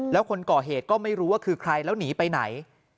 แล้วคนก่อเหตุก็ไม่รู้ว่าคือใครแล้วหนีไปไหน